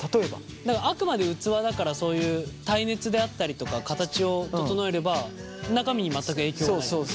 あくまで器だからそういう耐熱であったりとか形を整えれば中身に全く影響がないっていうこと。